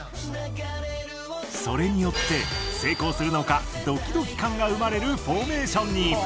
それによって成功するのかドキドキ感が生まれるフォーメーションに。